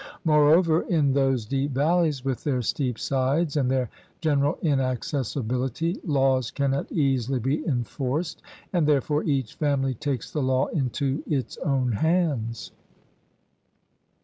Moreover, in those deep valleys, with their steep sides and their general inaccessibil ity, laws cannot easily be enforced, and therefore each family takes the law into its own hands.